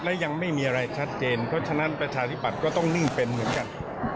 และยังไม่มีอะไรชัดเจนเพราะฉะนั้นประชาธิบัติก็ต้องนิ่งเป็นเหมือนกัน